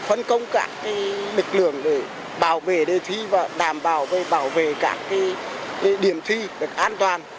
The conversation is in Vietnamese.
phân công các lực lượng để bảo vệ đề thi và đảm bảo bảo vệ các điểm thi được an toàn